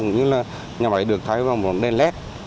cũng như là nhà máy được thay vào bốn đèn led